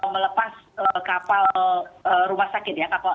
melepas kapal rumah sakit ya